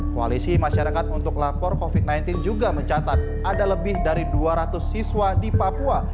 koalisi masyarakat untuk lapor covid sembilan belas juga mencatat ada lebih dari dua ratus siswa di papua